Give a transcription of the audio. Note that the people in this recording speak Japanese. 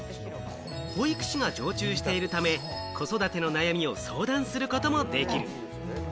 保育士が常駐しているため、子育ての悩みを相談することもできる。